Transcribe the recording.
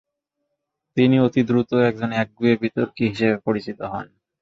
তিনি অতি দ্রুত একজন একগুঁয়ে বিতর্কী হিসেবে পরিচিত হন।